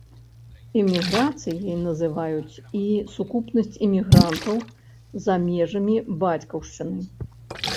Эміграцыяй называюць і сукупнасць эмігрантаў за межамі бацькаўшчыны.